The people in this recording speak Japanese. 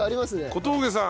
小峠さん。